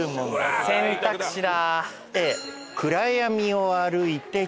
選択肢だ。